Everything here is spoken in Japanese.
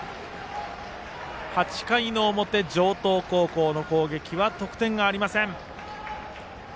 ８回の表、城東高校の攻撃は得点がありません。